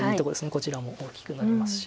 こちらも大きくなりますし。